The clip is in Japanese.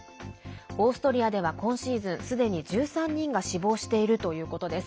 オーストリアでは今シーズンすでに１３人が死亡しているということです。